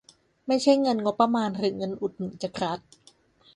ไม่ใช่เงินงบประมาณหรือเงินอุดหนุนจากรัฐ